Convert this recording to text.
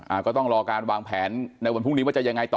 ก็ต้องรอการวางแผนในวันพรุ่งนี้ว่าจะยังไงต่อ